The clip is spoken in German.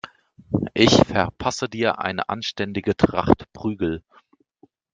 Ich verpasse dir eine anständige Tracht Prügel.